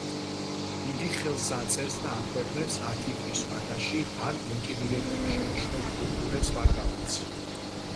იგი ხელს აწერს და აქვეყნებს ათი დღის ვადაში ან მოტივირებული შენიშვნებით უბრუნებს პარლამენტს